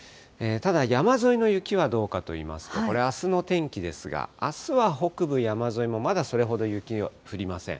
ただ、山沿いの雪はどうかといいますと、これ、あすの天気ですが、あすは北部山沿いもまだそれほど雪は降りません。